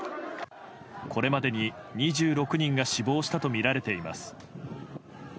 これまでに２６人が死亡したとみられています。